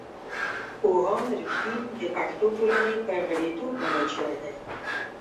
پوهاند رښتین د پښتو ټولنې په غړیتوب منل شوی دی.